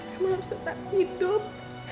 kamu harus tetap hidup